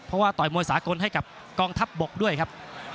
เพราะว่าต่อยมวยสากลให้กับกองทัพบกด้วยครับ